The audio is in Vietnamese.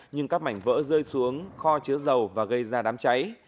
nhưng các mảnh vỡ rơi xuống kho chứa dầu và gây ra đám cháy